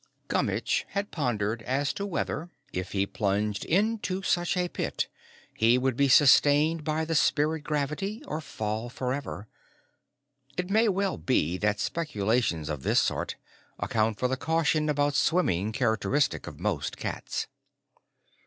Gummitch had pondered as to whether, if he plunged into such a pit, he would be sustained by the spirit gravity or fall forever. (It may well be that speculations of this sort account for the caution about swimming characteristic of most cats.)